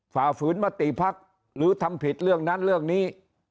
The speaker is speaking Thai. ฝ่าฝืนมติภักดิ์หรือทำผิดเรื่องนั้นเรื่องนี้